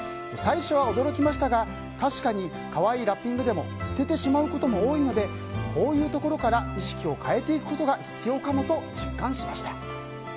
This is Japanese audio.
最初は驚きましたが確かに可愛いラッピングでも捨ててしまうことも多いのでこういうところから意識を変えていくことが必要かもと実感しました。